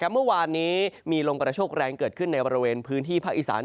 เมื่อวานนี้มีลมกระโชคแรงเกิดขึ้นในบริเวณพื้นที่ภาคอีสาน